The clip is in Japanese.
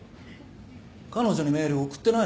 彼女にメール送ってないの？